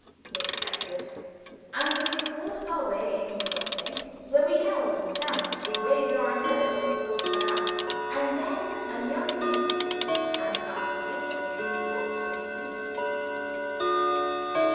He accepted, and we forced our way into the buffet, where we yelled, and stamped, and waved our umbrellas for a quarter of an hour; and then a young lady came, and asked us if we wanted anything.